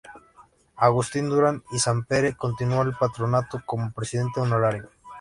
Agustí Duran y Sanpere continuó al Patronato como presidente honorario.